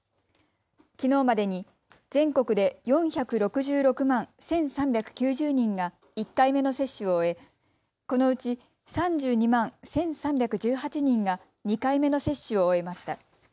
きのうまでに全国で４６６万１３９０人が１回目の接種を終えこのうち３２万１３１８人が２回目の接種を終えました。